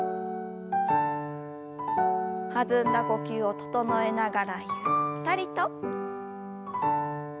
弾んだ呼吸を整えながらゆったりと。